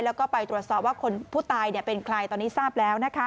แล้วก็ไปตรวจสอบว่าคนผู้ตายเป็นใครตอนนี้ทราบแล้วนะคะ